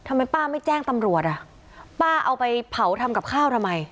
ทำไมป้าไม่แจ้งตำรวจอ่ะป้าเอาไปเผาทำกับข้าวทำไม